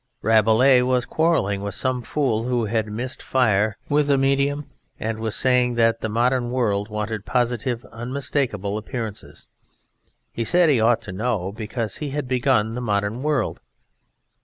Rabelais was quarrelling with some fool who had missed fire with a medium and was saying that the modern world wanted positive unmistakable appearances: he said he ought to know, because he had begun the modern world.